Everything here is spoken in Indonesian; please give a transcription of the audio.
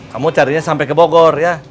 kamu carinya sampai ke bogor ya